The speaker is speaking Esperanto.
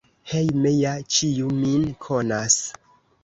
Hejme ja ĉiu min konas.